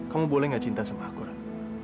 kamu boleh nggak cinta sama aku ran